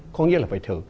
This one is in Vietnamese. có nghĩa là phải thử